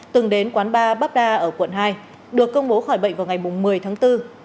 từng đến quán bar bapda ở quận hai được công bố khỏi bệnh vào ngày một mươi tháng bốn